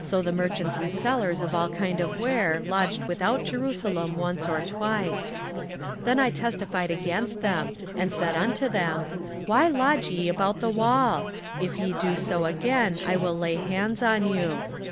16:013:020 So the merchants and sellers of all kind of ware lodged without Jerusalem once or twice. 16:013:021 Then I testified against them, and said unto them, Why lodge ye about the wall? if ye do so again, I will lay hands on you.